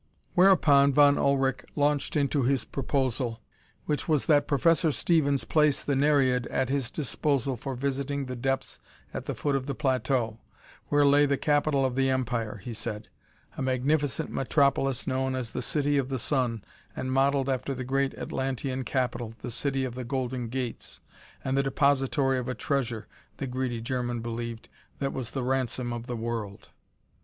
Whereupon Von Ullrich launched into his proposal, which was that Professor Stevens place the Nereid at his disposal for visiting the depths at the foot of the plateau, where lay the capital of the empire, he said a magnificent metropolis known as the City of the Sun and modeled after the great Atlantean capital, the City of the Golden Gates, and the depository of a treasure, the greedy German believed, that was the ransom of the world.